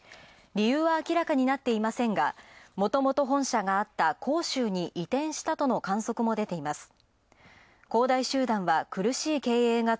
理由は明らかになっていませんがもともと本社があった広州に移転したとの観測も出ています。